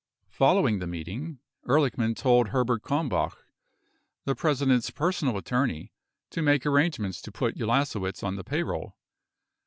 Following the meeting, Ehrlichman told Herbert Kalmbach, the President's personal attorney, to make arrangements to put Ulasewicz on the payroll.